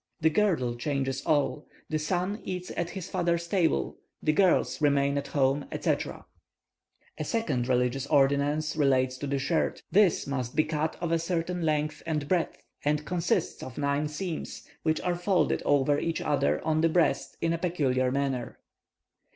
The girdle changes all; the son eats at his father's table, the girls remain at home, etc. A second religious ordinance relates to the shirt; this must be cut of a certain length and breadth, and consist of nine seams, which are folded over each other on the breast in a peculiar manner.